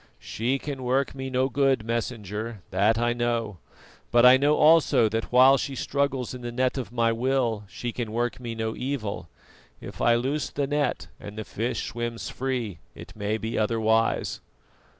"She can work me no good, Messenger, that I know; but I know also that while she struggles in the net of my will she can work me no evil. If I loose the net and the fish swims free, it may be otherwise."